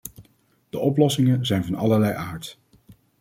De oplossingen zijn van allerlei aard.